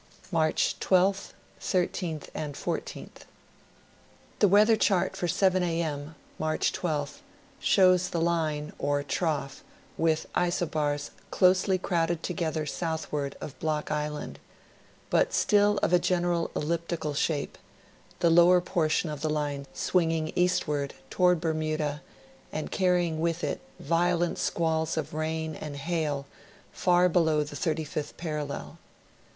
March 12th, 13th, and 14th. The Weather Chart for 7 a. m., March 12th, shows the line, or trough, with isobars closely crowded together southward of Block Island, but still of a general elliptical shape, the lower portion of the line swinging eastward toward Bermuda, and carrying with it violent squalls of rain and hail far below the 35th parallel.